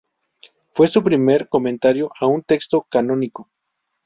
Fue su primer comentario a un texto canónico.